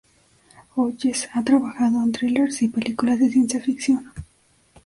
Hodges ha trabajado en thrillers y películas de ciencia ficción.